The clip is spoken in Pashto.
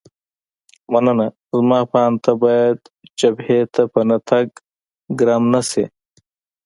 مننه، زما په اند ته باید جبهې ته په نه تګ ګرم نه شې.